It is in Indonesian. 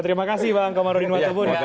terima kasih bang komarudi nuwatu pun